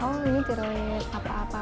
oh ini tirunya apa apa